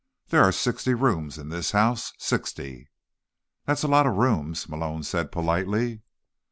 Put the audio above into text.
There are sixty rooms in this house. Sixty." "That's a lot of rooms," Malone said politely.